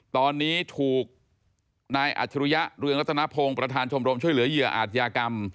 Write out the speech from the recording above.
ตอนนี้ถูกนายอัจฉริยะเรืองรัตนพงศ์ประธานชมรมช่วยเหลือเหยื่ออาจยากรรม